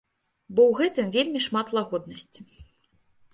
Бо ў гэтым вельмі шмат лагоднасці.